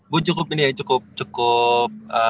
gue cukup ini ya cukup cukup